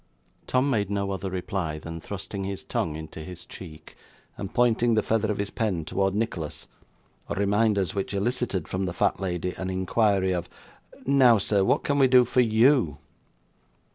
Tom made no other reply than thrusting his tongue into his cheek, and pointing the feather of his pen towards Nicholas reminders which elicited from the fat lady an inquiry, of 'Now, sir, what can we do for YOU?